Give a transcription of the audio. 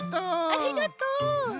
ありがとう。